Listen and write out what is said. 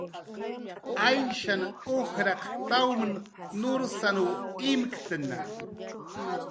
Ayshan ujarq tawm nursanw imktna